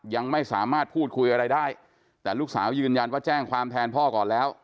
ยังไม่สามารถพูดคุยอะไรได้แต่ลูกสาวยืนยันว่าแจ้งความแทนพ่อก่อนแล้ว